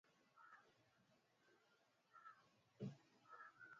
ee hali hiyo ni hatari sana kwa mfano umesafiri